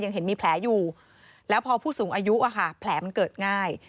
เห็นมีแผลอยู่แล้วพอผู้สูงอายุแผลมันเกิดง่าย